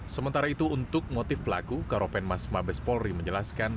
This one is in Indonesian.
sementara itu untuk motif pelaku karopen mas mabes polri menjelaskan